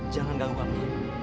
jangan ganggu kami